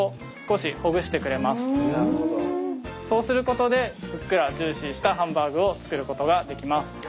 そうすることでふっくらジューシーしたハンバーグを作ることができます。